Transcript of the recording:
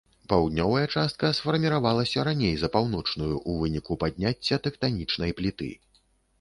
Паўднёвая частка сфарміравалася раней за паўночную ў выніку падняцця тэктанічнай пліты.